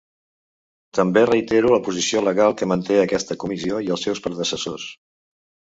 També reitero la posició legal que manté aquesta comissió i els seus predecessors.